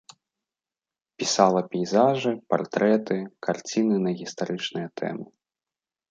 Пісала пейзажы, партрэты, карціны на гістарычныя тэмы.